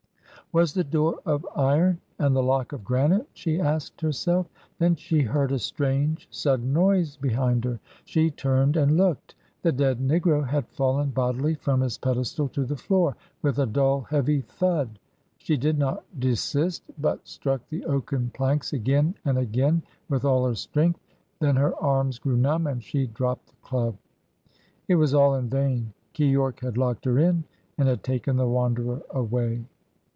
Was the door of iron and the lock of granite? she asked herself. Then she heard a strange, sudden noise behind her. She turned and looked. The dead negro had fallen bodily from his pedestal to the floor, with a dull, heavy thud. She did not desist, but struck the oaken planks again and again with all her strength. Then her arms grew numb and she dropped the club. It was all in vain. Keyork had locked her in and had taken the Wanderer away.